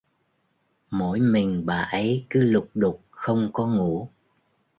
Mỗi mình bà ấy cứ lục đục không có ngủ